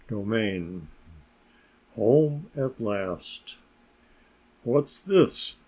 XIII HOME AT LAST "What's this?"